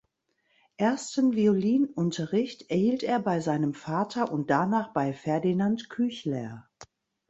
Ersten Violinunterricht erhielt er bei seinem Vater und danach bei Ferdinand Küchler.